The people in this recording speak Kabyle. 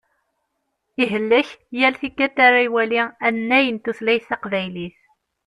Ihellek yal tikelt ara iwali annay n tutlayt taqbaylit.